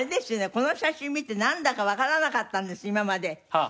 この写真見てなんだかわからなかったんです今まで私。